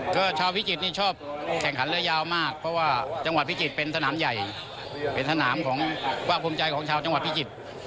ก็ชาวพิจิตรนี่ชอบแข่งขันเรือยาวมากเพราะว่าจังหวัดพิจิตรเป็นสนามใหญ่เป็นสนามของภาคภูมิใจของชาวจังหวัดพิจิตร